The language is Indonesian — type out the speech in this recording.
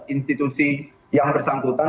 institusi yang bersangkutan